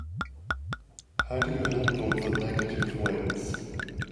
How do you handle the negative weights?